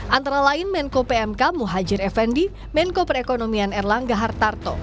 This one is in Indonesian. antara lain menko pmk muhajir effendi menko perekonomian erlang gahar tarto